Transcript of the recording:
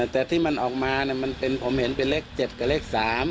แต่ที่มันออกมาผมเห็นเป็นเลข๗กับเลข๓